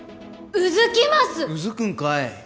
うずくんかい！